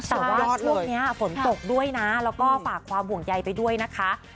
แต่ว่าช่วงนี้ฝนตกด้วยนะแล้วก็ฝากความห่วงใยไปด้วยนะคะ